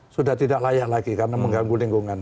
sudah tidak layak lagi karena mengganggu lingkungan